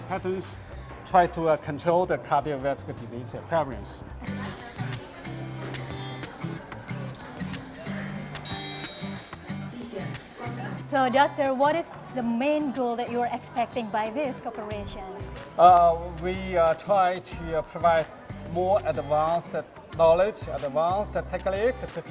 jadi ini bukan hanya mengambil pengetahuan tapi juga teknologi dan pengalaman